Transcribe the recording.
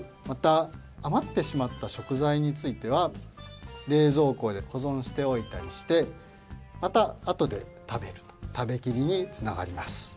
またあまってしまったしょくざいについてはれいぞうこでほぞんしておいたりしてまたあとで食べると食べキリにつながります。